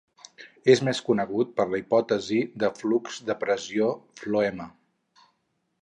És més conegut per la hipòtesi de flux de pressió floema.